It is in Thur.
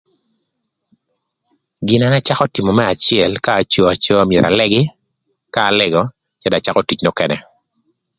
Gin na an acakö tïmö më acël k'aco acoa myero alëgï, ka alëgö cë dong acakö tic nökënë.